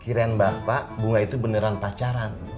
kira kira bapak bunga itu beneran pacaran